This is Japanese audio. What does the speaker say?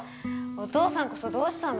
お父さんこそどうしたの？